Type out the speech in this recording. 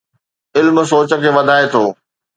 علم سوچ کي وڌائي ٿو